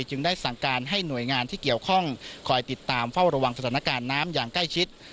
จึงได้สั่งการให้หน่วยงานที่เกี่ยวข้องคอยติดตามเฝ้าระวังสถานการณ์น้ำอย่างใกล้ชิด